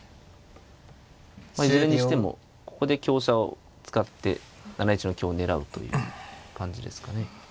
いずれにしてもここで香車を使って７一の香を狙うという感じですかね。